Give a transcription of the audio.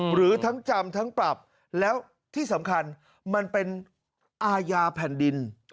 หรือทั้งจำทั้งปรับแล้วที่สำคัญมันเป็นอาญาแผ่นดิน